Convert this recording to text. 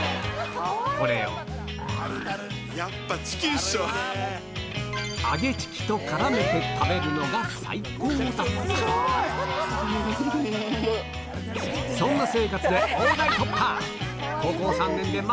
これを揚げチキと絡めて食べるのが最高だったそんな生活で大台突破！